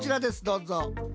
どうぞ。